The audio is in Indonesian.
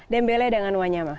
dembele dengan wanyama